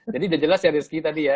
jadi udah jelas ya rizky tadi ya